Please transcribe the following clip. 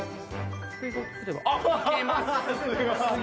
いけます。